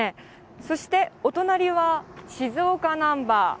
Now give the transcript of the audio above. そしてお隣は静岡ナンバー。